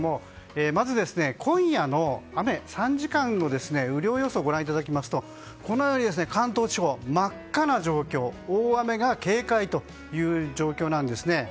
まず、今夜の３時間の雨量予想をご覧いただきますとこのように関東地方真っ赤な状況大雨に警戒という状況です。